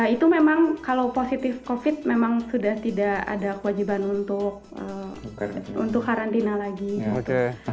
itu memang kalau positif covid memang sudah tidak ada kewajiban untuk karantina lagi